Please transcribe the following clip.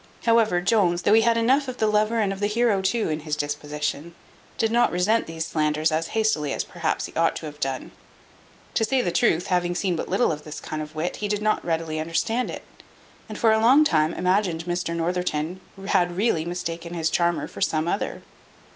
However, Jones, though he had enough of the lover and of the heroe too in his disposition, did not resent these slanders as hastily as, perhaps, he ought to have done. To say the truth, having seen but little of this kind of wit, he did not readily understand it, and for a long time imagined Mr Northerton had really mistaken his charmer for some other.